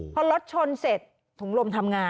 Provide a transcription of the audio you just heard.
พอรถชนเสร็จถุงลมทำงาน